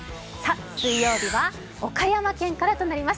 水曜日は岡山県となります。